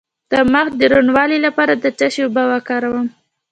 د مخ د روڼوالي لپاره د څه شي اوبه وکاروم؟